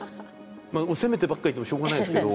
責めてばっかりいてもしょうがないんですけど。